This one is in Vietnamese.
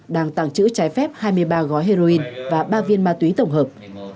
đang tàng trữ trái phép hai mươi ba gói heroin và ba viên ma túy tổng hợp